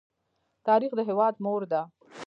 تاریخ د هېواد مور ده.